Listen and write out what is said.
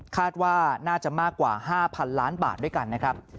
คาดว่าน่าจะมากกว่า๕๐๐๐ล้านบาทด้วยกันนะครับ